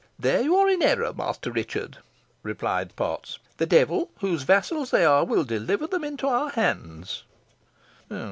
"There you are in error, Master Richard," replied Potts. "The devil, whose vassals they are, will deliver them into our hands."